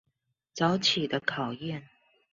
早起的考驗